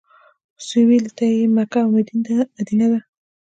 سویل ته یې مکه او مدینه ده.